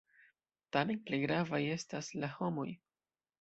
Tamen plej gravaj estas la homoj.